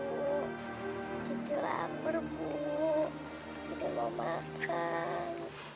bu siti lapar bu siti mau makan